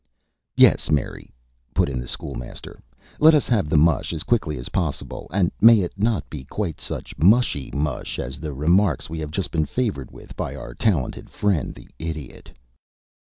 "Yes, Mary," put in the School Master; "let us have the mush as quickly as possible and may it not be quite such mushy mush as the remarks we have just been favored with by our talented friend the Idiot."